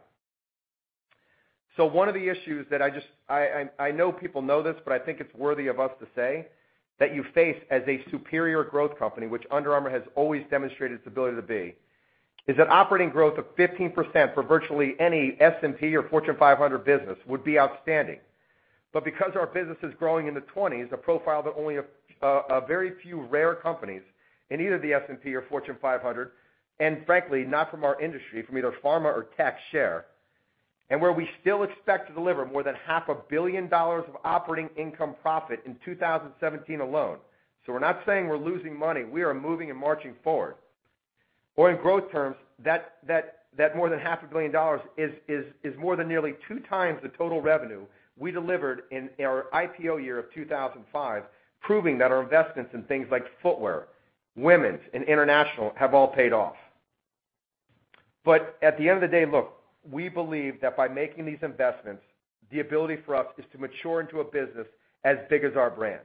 One of the issues that I know people know this, but I think it's worthy of us to say, that you face as a superior growth company, which Under Armour has always demonstrated its ability to be, is that operating growth of 15% for virtually any S&P or Fortune 500 business would be outstanding. Because our business is growing in the 20s, a profile that only a very few rare companies in either the S&P or Fortune 500, and frankly, not from our industry, from either pharma or tech share. Where we still expect to deliver more than half a billion dollars of operating income profit in 2017 alone. We're not saying we're losing money. We are moving and marching forward. In growth terms, that more than half a billion dollars is more than nearly two times the total revenue we delivered in our IPO year of 2005, proving that our investments in things like footwear, women's, and international have all paid off. At the end of the day, look, we believe that by making these investments, the ability for us is to mature into a business as big as our brand.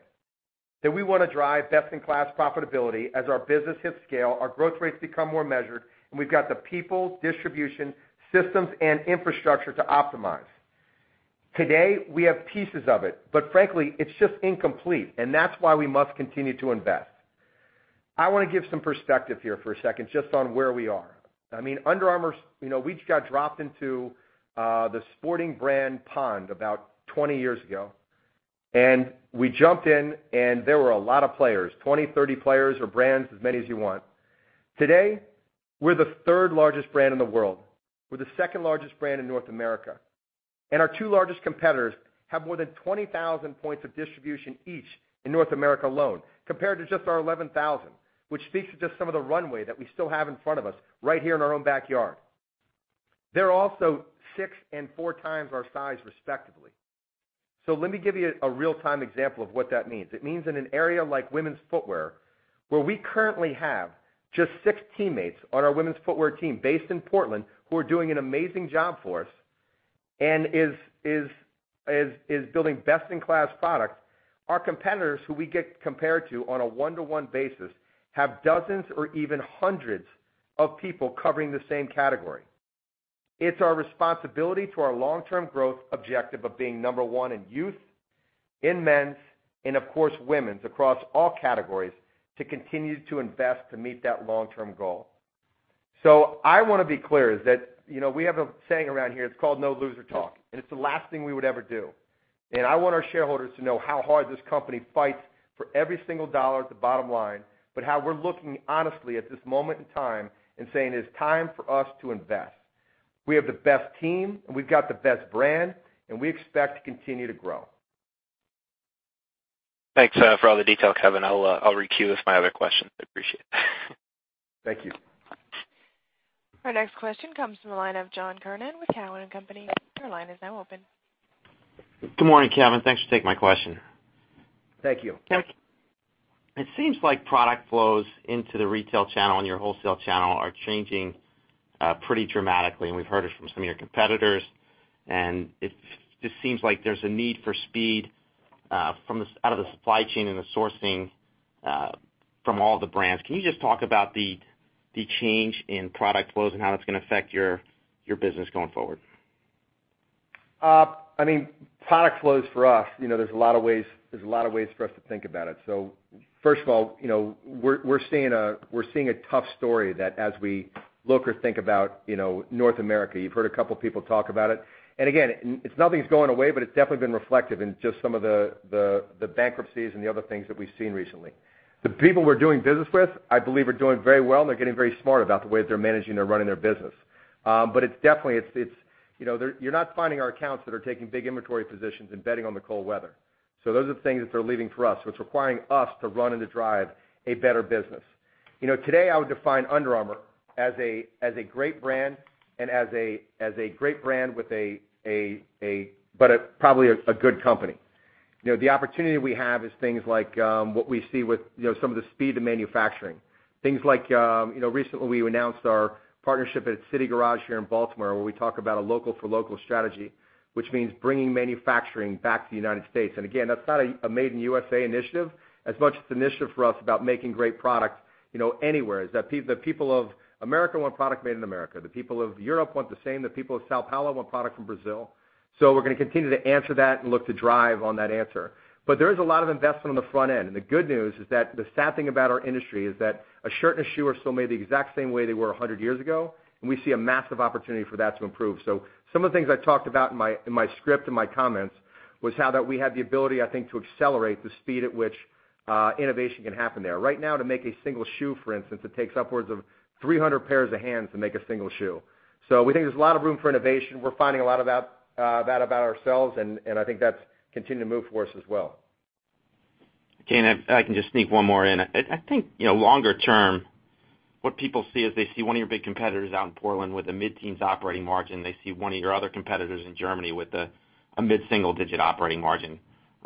We want to drive best-in-class profitability. As our business hits scale, our growth rates become more measured, and we've got the people, distribution, systems, and infrastructure to optimize. Today, we have pieces of it, but frankly, it's just incomplete, and that's why we must continue to invest. I want to give some perspective here for a second just on where we are. Under Armour, we got dropped into the sporting brand pond about 20 years ago, and we jumped in and there were a lot of players, 20, 30 players or brands, as many as you want. Today, we're the third-largest brand in the world. We're the second-largest brand in North America. Our two largest competitors have more than 20,000 points of distribution each in North America alone, compared to just our 11,000, which speaks to just some of the runway that we still have in front of us right here in our own backyard. They're also six and four times our size, respectively. Let me give you a real-time example of what that means. It means in an area like women's footwear, where we currently have just six teammates on our women's footwear team based in Portland who are doing an amazing job for us, and is building best-in-class product. Our competitors, who we get compared to on a one-to-one basis, have dozens or even hundreds of people covering the same category. It's our responsibility to our long-term growth objective of being number one in youth, in men's, and of course, women's across all categories to continue to invest to meet that long-term goal. I want to be clear is that, we have a saying around here, it's called no loser talk, and it's the last thing we would ever do. I want our shareholders to know how hard this company fights for every single dollar at the bottom line, how we're looking honestly at this moment in time and saying it's time for us to invest. We have the best team, and we've got the best brand, and we expect to continue to grow. Thanks for all the detail, Kevin. I'll re-queue with my other questions. I appreciate it. Thank you. Our next question comes from the line of John Kernan with Cowen and Company. Your line is now open. Good morning, Kevin. Thanks for taking my question. Thank you. It seems like product flows into the retail channel and your wholesale channel are changing pretty dramatically. We've heard it from some of your competitors. It just seems like there's a need for speed out of the supply chain and the sourcing from all the brands. Can you just talk about the change in product flows and how that's going to affect your business going forward? Product flows for us, there's a lot of ways for us to think about it. First of all, we're seeing a tough story that as we look or think about North America, you've heard a couple people talk about it. Again, nothing's going away, but it's definitely been reflective in just some of the bankruptcies and the other things that we've seen recently. The people we're doing business with, I believe, are doing very well, and they're getting very smart about the way they're managing or running their business. It's definitely, you're not finding our accounts that are taking big inventory positions and betting on the cold weather. Those are the things that they're leaving for us, so it's requiring us to run and to drive a better business. Today, I would define Under Armour as a great brand, but probably a good company. The opportunity we have is things like what we see with some of the speed of manufacturing. Things like recently we announced our partnership at City Garage here in Baltimore, where we talk about a local for local strategy, which means bringing manufacturing back to the United States. Again, that's not a Made in USA initiative as much as it's an initiative for us about making great product anywhere. The people of America want product made in America. The people of Europe want the same. The people of São Paulo want product from Brazil. We're going to continue to answer that and look to drive on that answer. There is a lot of investment on the front end. The good news is that the sad thing about our industry is that a shirt and a shoe are still made the exact same way they were 100 years ago, and we see a massive opportunity for that to improve. Some of the things I talked about in my script, in my comments, was how that we have the ability, I think, to accelerate the speed at which innovation can happen there. Right now, to make a single shoe, for instance, it takes upwards of 300 pairs of hands to make a single shoe. We think there's a lot of room for innovation. We're finding a lot of that about ourselves, and I think that's continuing to move for us as well. Again, if I can just sneak one more in. I think longer term, what people see is they see one of your big competitors out in Portland with a mid-teens operating margin. They see one of your other competitors in Germany with a mid-single-digit operating margin.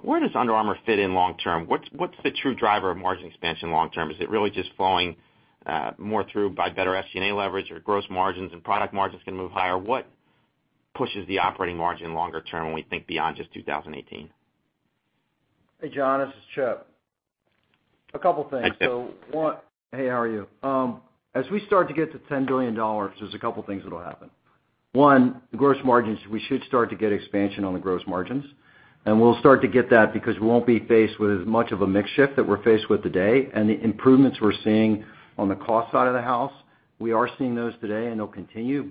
Where does Under Armour fit in long term? What's the true driver of margin expansion long term? Is it really just flowing more through by better SG&A leverage or gross margins and product margins going to move higher? What pushes the operating margin longer term when we think beyond just 2018? Hey, John, this is Chip. A couple things. Hey, Chip. Hey, how are you? As we start to get to $10 billion, there's a couple of things that'll happen. One, gross margins, we should start to get expansion on the gross margins. We'll start to get that because we won't be faced with as much of a mix shift that we're faced with today. The improvements we're seeing on the cost side of the house, we are seeing those today and they'll continue,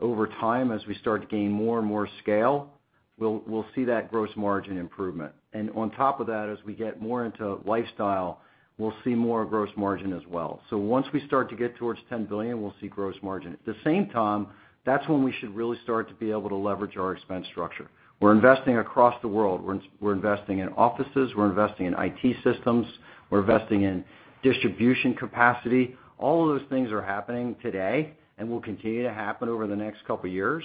over time, as we start to gain more and more scale. We'll see that gross margin improvement. On top of that, as we get more into lifestyle, we'll see more gross margin as well. Once we start to get towards $10 billion, we'll see gross margin. At the same time, that's when we should really start to be able to leverage our expense structure. We're investing across the world. We're investing in offices, we're investing in IT systems, we're investing in distribution capacity. All of those things are happening today and will continue to happen over the next couple of years.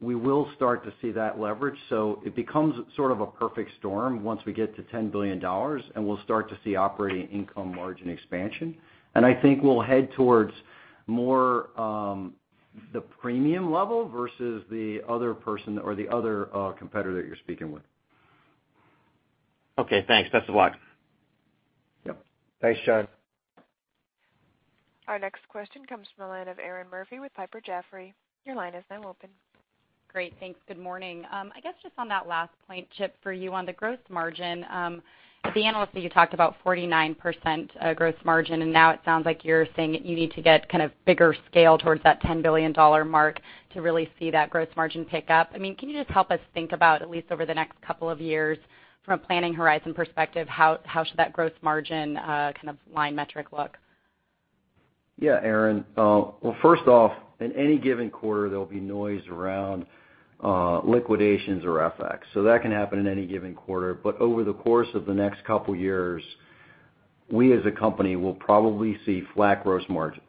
We will start to see that leverage, it becomes sort of a perfect storm once we get to $10 billion, we'll start to see operating income margin expansion. I think we'll head towards more the premium level versus the other person or the other competitor that you're speaking with. Okay, thanks. Best of luck. Yep. Thanks, John. Our next question comes from the line of Erinn Murphy with Piper Jaffray. Your line is now open. Great. Thanks. Good morning. I guess just on that last point, Chip, for you on the gross margin. At the analyst meeting, you talked about 49% gross margin. Now it sounds like you're saying that you need to get kind of bigger scale towards that $10 billion mark to really see that gross margin pick up. Can you just help us think about, at least over the next two years from a planning horizon perspective, how should that gross margin kind of line metric look? Erinn. First off, in any given quarter, there'll be noise around liquidations or FX. That can happen in any given quarter. Over the course of the next couple years, we as a company will probably see flat gross margins.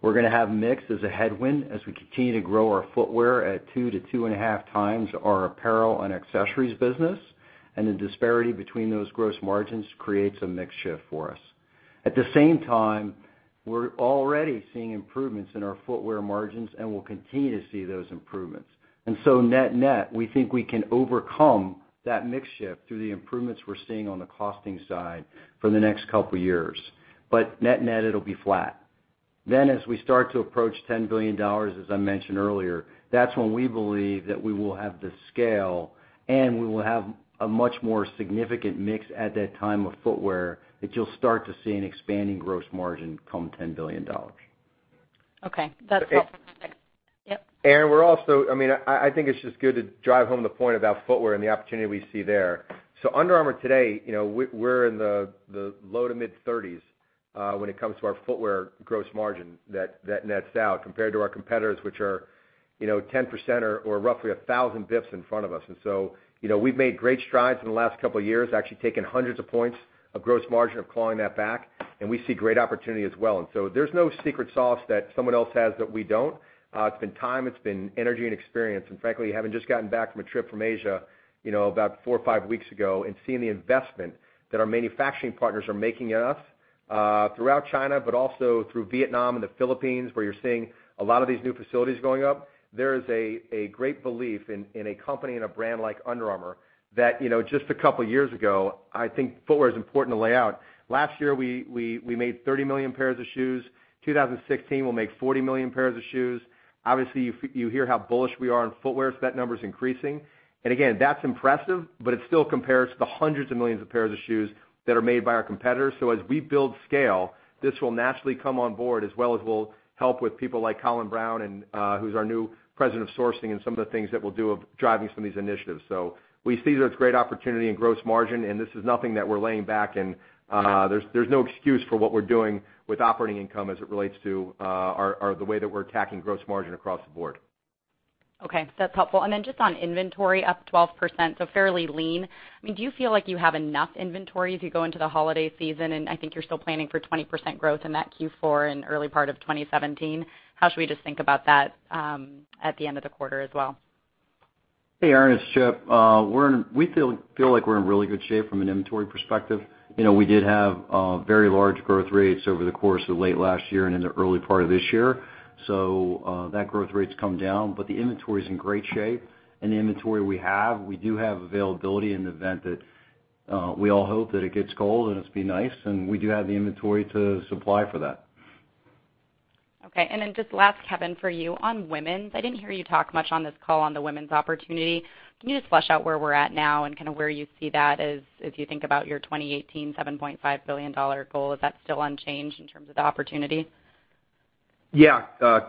We're going to have mix as a headwind as we continue to grow our footwear at 2 to 2.5 times our apparel and accessories business, and the disparity between those gross margins creates a mix shift for us. At the same time, we're already seeing improvements in our footwear margins, and we'll continue to see those improvements. Net-net, we think we can overcome that mix shift through the improvements we're seeing on the costing side for the next couple years. Net-net, it'll be flat. As we start to approach $10 billion, as I mentioned earlier, that's when we believe that we will have the scale and we will have a much more significant mix at that time of footwear that you'll start to see an expanding gross margin come $10 billion. Okay. That's helpful. Yep. Erinn, I think it's just good to drive home the point about footwear and the opportunity we see there. Under Armour today, we're in the low to mid-30s when it comes to our footwear gross margin that nets out compared to our competitors, which are 10% or roughly 1,000 bps in front of us. We've made great strides in the last couple of years, actually taken hundreds of points of gross margin of clawing that back, and we see great opportunity as well. There's no secret sauce that someone else has that we don't. It's been time, it's been energy and experience. Frankly, having just gotten back from a trip from Asia about four or five weeks ago and seeing the investment that our manufacturing partners are making in us throughout China, also through Vietnam and the Philippines, where you're seeing a lot of these new facilities going up. There is a great belief in a company and a brand like Under Armour that just a couple years ago, I think footwear is important to lay out. Last year, we made 30 million pairs of shoes. 2016, we'll make 40 million pairs of shoes. Obviously, you hear how bullish we are on footwear, so that number's increasing. Again, that's impressive, but it still compares to the hundreds of millions of pairs of shoes that are made by our competitors. As we build scale, this will naturally come on board as well as we'll help with people like Colin Browne, who's our new President of Sourcing, and some of the things that we'll do of driving some of these initiatives. We see there's great opportunity in gross margin. This is nothing that we're laying back. There's no excuse for what we're doing with operating income as it relates to the way that we're attacking gross margin across the board. Okay, that's helpful. Just on inventory, up 12%. Fairly lean. Do you feel like you have enough inventory as you go into the holiday season? I think you're still planning for 20% growth in that Q4 and early part of 2017. How should we just think about that at the end of the quarter as well? Hey, Erinn, it's Chip. We feel like we're in really good shape from an inventory perspective. We did have very large growth rates over the course of late last year and in the early part of this year. That growth rate's come down. The inventory's in great shape. The inventory we have, we do have availability in the event that we all hope that it gets cold. It'd be nice. We do have the inventory to supply for that. Just last, Kevin, for you. On women's, I didn't hear you talk much on this call on the women's opportunity. Can you just flesh out where we're at now and kind of where you see that as you think about your 2018 $7.5 billion goal? Is that still unchanged in terms of the opportunity? Yeah,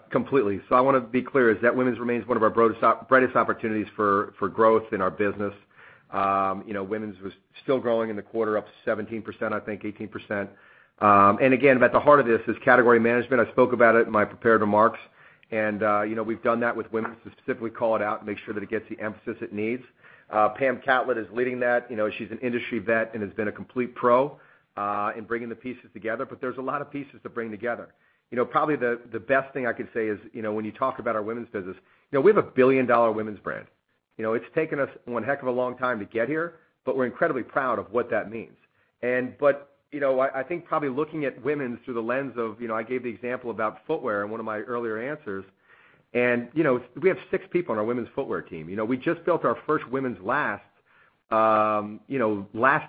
completely. I want to be clear, women's remains one of our brightest opportunities for growth in our business. Women's was still growing in the quarter, up 17%, I think 18%. Again, at the heart of this is category management. I spoke about it in my prepared remarks. We've done that with women's to specifically call it out and make sure that it gets the emphasis it needs. Pam Catlett is leading that. She's an industry vet and has been a complete pro in bringing the pieces together, but there's a lot of pieces to bring together. Probably the best thing I could say is when you talk about our women's business, we have a billion-dollar women's brand. It's taken us one heck of a long time to get here, but we're incredibly proud of what that means. I think probably looking at women's through the lens of, I gave the example about footwear in one of my earlier answers, we have 6 people on our women's footwear team. We just built our first women's last last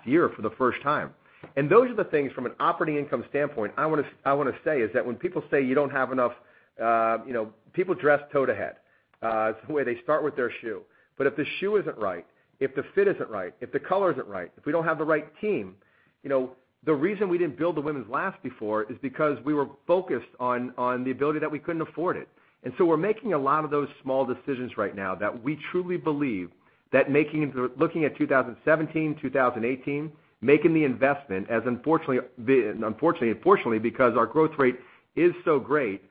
year for the first time. Those are the things from an operating income standpoint, I want to say, that when people say people dress toe to head. It's the way they start with their shoe. If the shoe isn't right, if the fit isn't right, if the color isn't right, if we don't have the right team, the reason we didn't build the women's last before is because we were focused on the ability that we couldn't afford it. We're making a lot of those small decisions right now that we truly believe that looking at 2017, 2018, making the investment as fortunately, because our growth rate is so great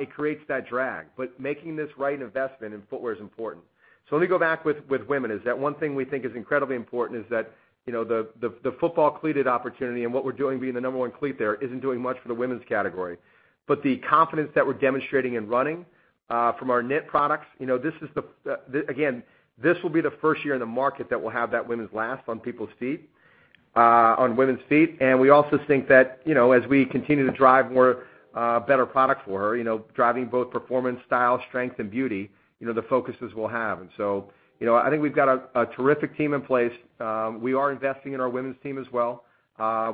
it creates that drag. Making this right investment in footwear is important. Let me go back with women, one thing we think is incredibly important is that the football cleated opportunity and what we're doing being the number 1 cleat there isn't doing much for the women's category. The confidence that we're demonstrating in running from our knit products, again, this will be the first year in the market that we'll have that women's last on women's feet. We also think that as we continue to drive more better product for her, driving both performance, style, strength, and beauty, the focuses we'll have. I think we've got a terrific team in place. We are investing in our women's team as well.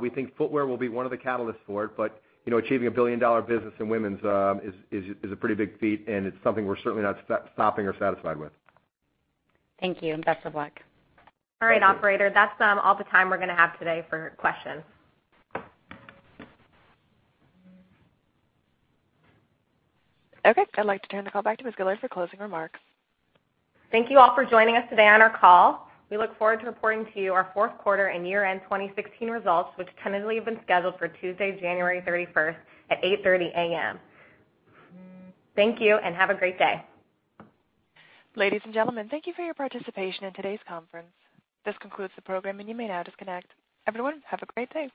We think footwear will be one of the catalysts for it, but achieving a billion-dollar business in women's is a pretty big feat, and it's something we're certainly not stopping or satisfied with. Thank you, and best of luck. Thank you. All right, operator, that's all the time we're going to have today for questions. Okay, I'd like to turn the call back to Ms. Gillard for closing remarks. Thank you all for joining us today on our call. We look forward to reporting to you our fourth quarter and year-end 2016 results, which tentatively have been scheduled for Tuesday, January 31st at 8:30 A.M. Thank you and have a great day. Ladies and gentlemen, thank you for your participation in today's conference. This concludes the program, and you may now disconnect. Everyone, have a great day.